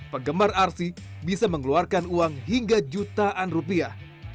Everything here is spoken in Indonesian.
penggemar rc bisa mengeluarkan uang hingga jutaan rupiah